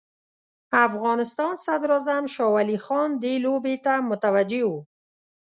افغانستان صدراعظم شاه ولي خان دې لوبې ته متوجه وو.